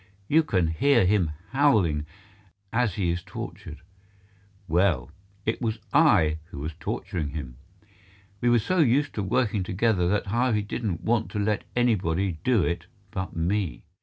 You can hear him howling as he is tortured. Well, it was I who was torturing him. We are so used to working together that Harvey didn't want to let anybody do it but me.